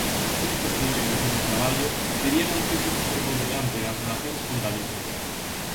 Nesta segunda dimensión de traballo terían un peso preponderante as relacións con Galicia.